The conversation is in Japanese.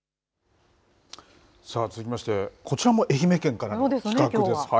さあ続きましてこちらも愛媛県からの企画です。